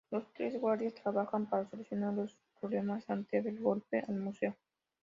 Los tres guardias trabajan para solucionar los problemas antes del golpe al museo.